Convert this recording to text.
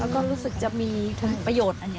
แล้วก็รู้สึกจะมีประโยชน์